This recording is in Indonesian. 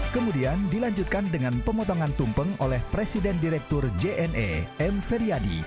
kemudian dilanjutkan dengan pemotongan tumpeng oleh presiden direktur jne m feryadi